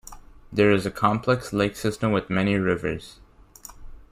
There is a complex lake system with many rivers.